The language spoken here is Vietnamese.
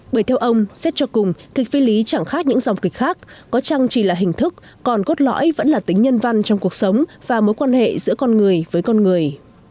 bởi theo ông xét cho cùng kịch phi lý chẳng khác những dòng kịch khác có chăng chỉ là hình thức còn cốt lõi vẫn là tính nhân văn trong cuộc sống và mối quan hệ giữa con người với con người